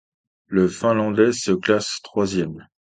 Le Finlandais se classe troisième.